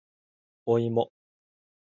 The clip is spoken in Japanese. おいも